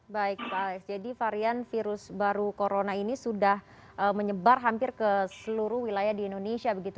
baik pak jadi varian virus baru corona ini sudah menyebar hampir ke seluruh dunia